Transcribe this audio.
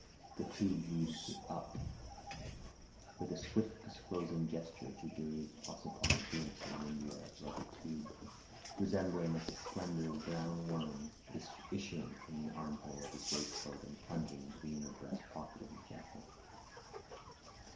The tube leads up—" With a swift disclosing gesture he gave Ossipon a glimpse of an india rubber tube, resembling a slender brown worm, issuing from the armhole of his waistcoat and plunging into the inner breast pocket of his jacket.